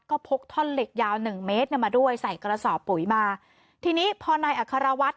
ก็พกท่อนเหล็กยาวหนึ่งเมตรเนี่ยมาด้วยใส่กระสอบปุ๋ยมาทีนี้พอนายอัครวัฒน์